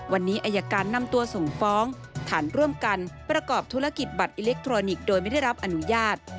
วันนี้อายการนำตัวส่งฟ้องฐานร่วมกันประกอบธุรกิจบัตรอิเล็กทรอนิกส์โดยไม่ได้รับอนุญาต